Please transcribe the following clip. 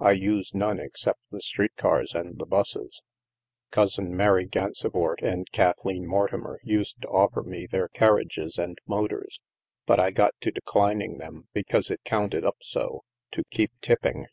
I use none except the street cars and the busses. Cousin Mary Gansevoort and Kathleen Mortimer used to offer me their carriages and motors, but I got to declining them because it counted up so, to keep tipping."